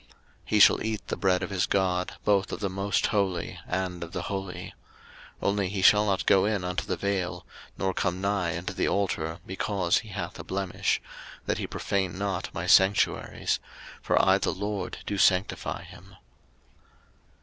03:021:022 He shall eat the bread of his God, both of the most holy, and of the holy. 03:021:023 Only he shall not go in unto the vail, nor come nigh unto the altar, because he hath a blemish; that he profane not my sanctuaries: for I the LORD do sanctify them.